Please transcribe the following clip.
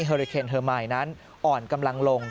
อริเคนมายนั้นอ่อนกำลังลง